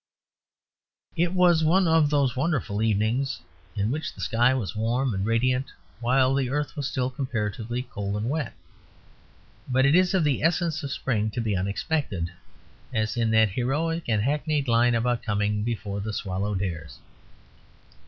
It was one of those wonderful evenings in which the sky was warm and radiant while the earth was still comparatively cold and wet. But it is of the essence of Spring to be unexpected; as in that heroic and hackneyed line about coming "before the swallow dares."